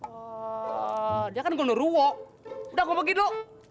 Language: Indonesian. wah dia kan ke neruo udah gua pergi dulu